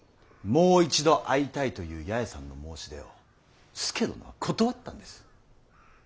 もう一度会いたいという八重さんの申し出を佐殿は断ったんです。